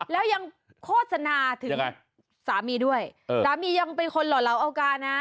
แล้วยังโฆษณาถึงสามีด้วยสามียังเป็นคนหล่อเหลาเอากานะ